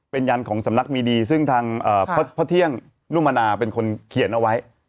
เป็นยันของสำนักมีดีซึ่งทางพ่อเที่ยงนุมนาเป็นคนเขียนเอาไว้